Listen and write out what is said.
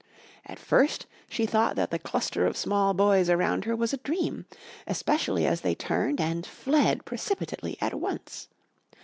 At first she thought that the cluster of small boys around her was a dream, especially as they turned and fled precipitately at once.